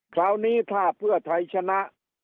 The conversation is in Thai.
คราวนี้ถ้าเพื่อไทยชนะ